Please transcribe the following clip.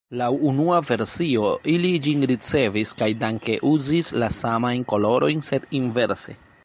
Laŭ unua versio, ili ĝin ricevis kaj danke uzis la samajn kolorojn sed inverse.